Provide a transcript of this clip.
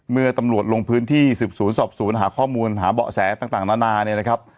เมื่อตำรวจลงพื้นที่สืบสวนสอบสวนหาข้อมูลหาเบาะแสต่างนานาเนี่ยนะครับ